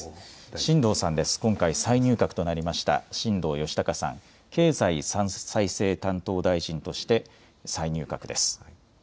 新藤さんです、今回再入閣となりました新藤義孝さん、経済再生担当大臣として再入閣です。